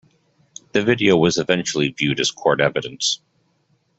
The video was eventually viewed as court evidence.